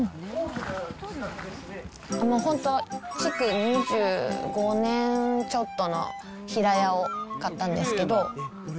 本当、築２５年ちょっとの平屋を買ったんですけど。